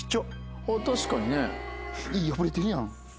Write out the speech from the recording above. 確かにね。